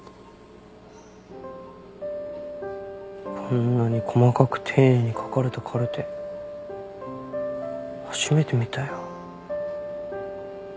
こんなに細かく丁寧に書かれたカルテ初めて見たよ。